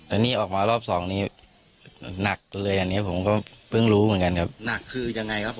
อันนี้ออกมารอบสองนี้หนักเลยอันนี้ผมก็เพิ่งรู้เหมือนกันครับหนักคือยังไงครับ